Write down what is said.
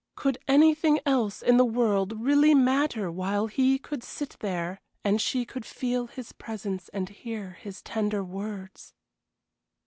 Could anything else in the world really matter while he could sit there and she could feel his presence and hear his tender words?